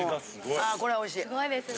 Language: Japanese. あこれおいしい。